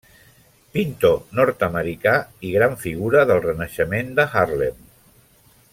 Pintor nord-americà i gran figura del Renaixement de Harlem.